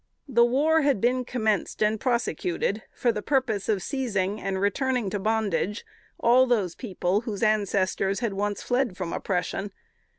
The war had been commenced and prosecuted for the purpose of seizing and returning to bondage all those people whose ancestors had once fled from oppression.